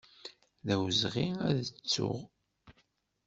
D awezɣi ad t-ttuɣ.